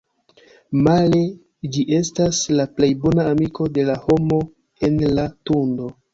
Male, ĝi estas la plej bona amiko de la homo en la Tundro.